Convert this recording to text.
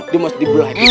dia mau di belai